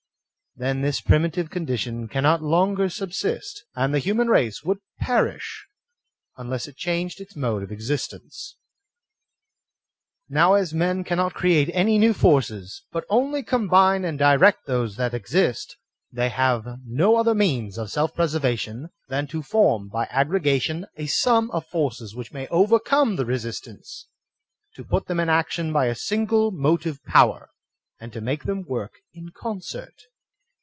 Then this primitive condi tion cannot longer subsist, and the human race would perish unless it changed its mode of existence. Now as men cannot create any new forces, but only combine and direct those that exist, they have no other means of self preservation than to form by aggregation a sum of forces which may overcome the resistance, to put them in action by a single motive power, and to make them work in concert.